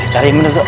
cari meneh tuk